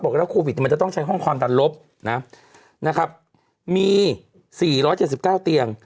โควิดมันจะต้องใช้ห้องความดันลบนะครับมี๔๗๙เตียง